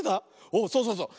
おそうそうそう。